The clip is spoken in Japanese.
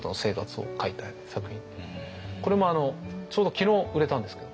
これもちょうど昨日売れたんですけど。